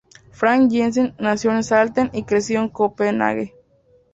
Frank Jensen nació en Salten y creció en Copenhague.